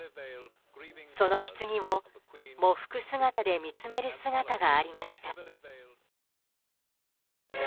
そのひつぎを、喪服姿で見つめる姿がありました。